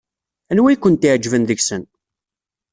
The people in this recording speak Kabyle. Anwa ay kent-iɛejben deg-sen?